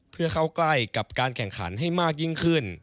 เพื่อเข้าใกล้กับการแข่งขันให้มากยิ่งขึ้น